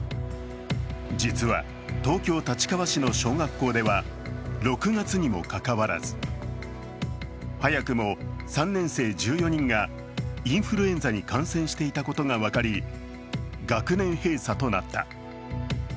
実は、東京・立川市の小学校では６月にもかかわらず早くも３年生１４人がインフルエンザに感染していたことが分かり学年閉鎖となった。